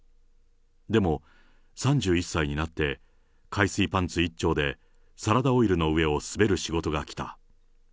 でも、３１歳になって、海水パンツ一丁で、サラダオイルの上を滑る仕事が来た。